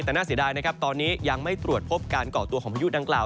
แต่น่าเสียดายนะครับตอนนี้ยังไม่ตรวจพบการเกาะตัวของพายุดังกล่าว